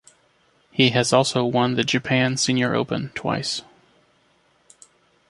He has also won the Japan Senior Open twice.